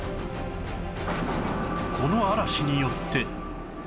この嵐によって